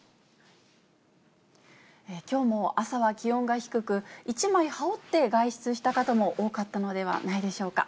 きょうも朝は気温が低く、１枚羽織って外出した方も多かったのではないでしょうか。